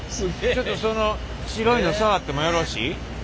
ちょっとその白いの触ってもよろしい？